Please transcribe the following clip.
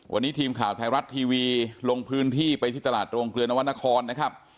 วันนี้ทีมข่าวไทยรัฐทีวีลงพื้นที่ไปที่ตลาดโรงเกลือนวรรณครนะครับ